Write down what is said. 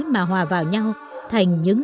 mà hòa vào nhau thành những